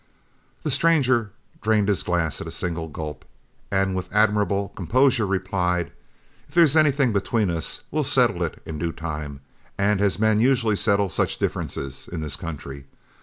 The stranger drained his glass at a single gulp, and with admirable composure replied, "If there's anything between us, we'll settle it in due time, and as men usually settle such differences in this country.